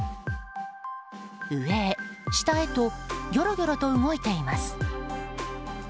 上へ、下へとぎょろぎょろと動いています。